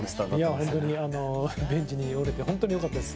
本当にベンチにおれて本当によかったです。